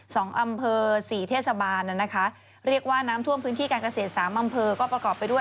สองอำเภอสี่เทศบาลน่ะนะคะเรียกว่าน้ำท่วมพื้นที่การเกษตรสามอำเภอก็ประกอบไปด้วย